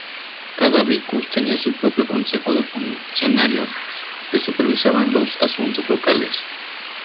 Cada vicus tenía su propio consejo de funcionarios que supervisaban los asuntos locales.